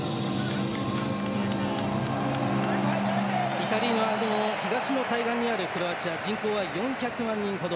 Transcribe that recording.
イタリアの東の海岸にあるクロアチア人口は４００万人ほど。